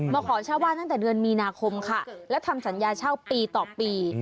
ขอเช่าบ้านตั้งแต่เดือนมีนาคมค่ะและทำสัญญาเช่าปีต่อปี